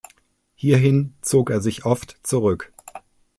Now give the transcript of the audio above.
Hierhin zog er sich oft zurück.